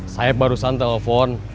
saya barusan telepon